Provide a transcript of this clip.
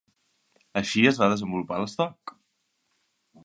Així es va desenvolupar l'estoc.